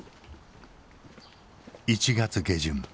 １月下旬。